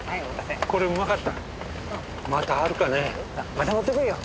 また持ってくるよ。